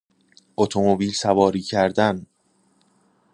اتومبیل سواری کردن